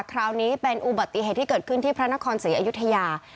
คราวนี้เป็นอุบัติเหตุที่เกิดขึ้นที่พระนครศรีอยุธยา